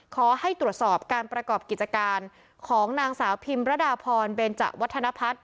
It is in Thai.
ขอให้ตรวจสอบการประกอบกิจการของนางสาวพิมรดาพรเบนจวัฒนภัฒน